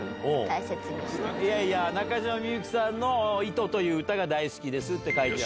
「中島みゆきさんの『糸』という歌が大好きです」って書いてある。